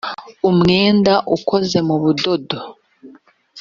umwenda ukoze mu budodo